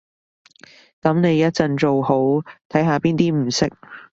噉你一陣做好，睇下邊啲唔識